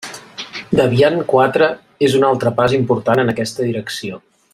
Debian quatre és un altre pas important en aquesta direcció.